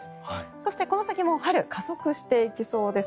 そしてこの先も春、加速していきそうです。